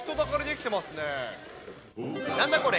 なんだこれ？